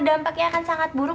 dampaknya akan sangat buruk